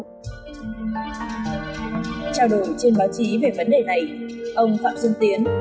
trao đổi trên báo chí về vấn đề này ông phạm xuân tiến